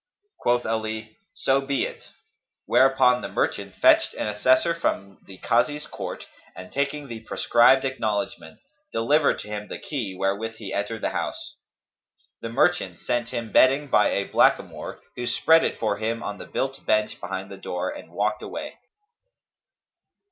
Quoth Ali, "So be it;" whereupon the merchant fetched an assessor from the Kazi's court and, taking the prescribed acknowledgment, delivered to him the key wherewith he entered the house. The merchant sent him bedding by a blackamoor who spread it for him on the built bench behind the door[FN#268] and walked away.